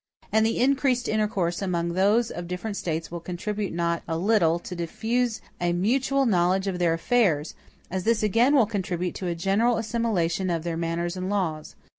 And the increased intercourse among those of different States will contribute not a little to diffuse a mutual knowledge of their affairs, as this again will contribute to a general assimilation of their manners and laws.